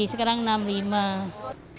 sekarang enam ribu